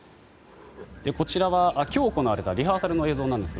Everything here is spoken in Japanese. こちらは、今日行われたリハーサルの映像です。